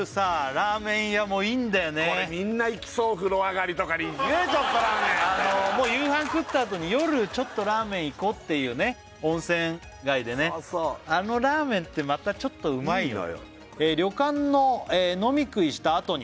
ラーメン屋もいいんだよねこれみんな行きそう風呂上がりとかに「行く？ちょっとラーメン」みたいなもう夕飯食ったあとに夜ちょっとラーメン行こうっていうね温泉街でねあのラーメンってまたちょっとうまいよね「旅館の飲み食いしたあとに」